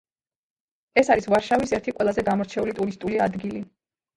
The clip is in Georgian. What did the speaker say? ეს არის ვარშავის ერთი ყველაზე გამორჩეული ტურისტული ადგილი.